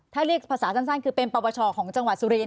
ถ้าเรียกภาษาสั้นคือเป็นปปชของจังหวัดสุรินท